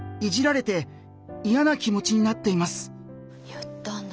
言ったんだ。